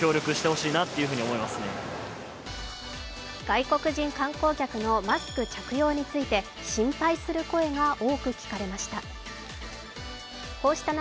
外国人観光客のマスク着用について心配する声が多く聞かれました。